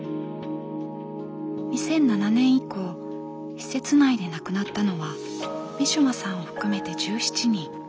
２００７年以降施設内で亡くなったのはウィシュマさんを含めて１７人。